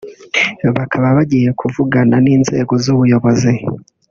bakaba bagiye kuvugana n’inzego z’ubuyobozi